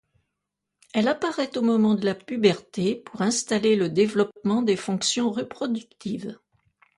Elle apparait au moment de la puberté pour installer le développement des fonctions reproductives.